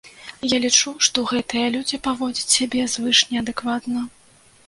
Я лічу, што гэтыя людзі паводзяць сябе звышнеадэкватна.